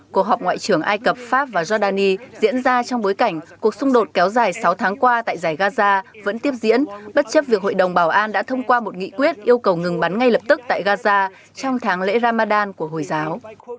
cuộc họp ngoại trưởng ai cập pháp và giordani diễn ra trong bối cảnh cuộc xung đột kéo dài sáu tháng qua tại giải gaza vẫn tiếp diễn bất chấp việc hội đồng bảo an đã thông qua một nghị quyết yêu cầu ngừng bắn ngay lập tức tại gaza trong tháng lễ ramadan của hồi giáo